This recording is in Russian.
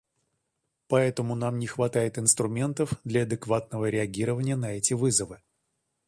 Поэтому нам не хватает инструментов для адекватного реагирования на эти вызовы.